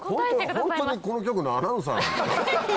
ホントにこの局のアナウンサーなの？